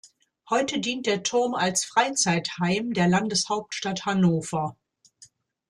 Heute dient der Turm als Freizeitheim der Landeshauptstadt Hannover.